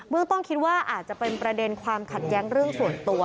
เมืองต้นคิดว่าอาจจะเป็นประเด็นความขัดแย้งเรื่องส่วนตัว